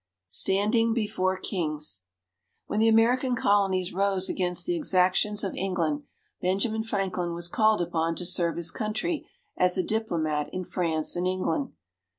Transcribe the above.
STANDING BEFORE KINGS When the American Colonies rose against the exactions of England, Benjamin Franklin was called upon to serve his Country as a diplomat in France and England.